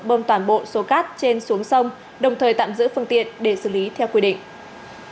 bơm toàn bộ số cát trên xuống sông đồng thời tạm giữ phương tiện để xử lý theo quy định